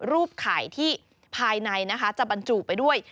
รูปไข่ที่ภายในนะคะจะบรรจุไปด้วย